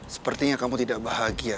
sepertinya kamu tidak bahagia